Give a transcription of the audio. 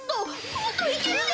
もっといけるで！